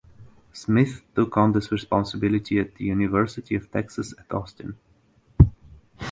Smith took on this responsibility at the University of Texas at Austin.